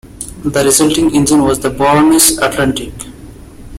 The resulting engine was the "Barnes Atlantic".